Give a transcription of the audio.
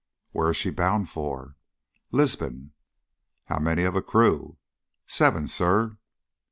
"Where is she bound for?" "Lisbon." "How many of a crew?" "Seven, sir."